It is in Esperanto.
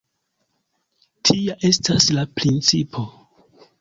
Tia estas la principo.